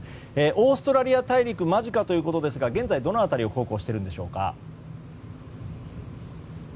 オーストラリア大陸間近ということですが現在どの辺りを航行しているんでしょうか。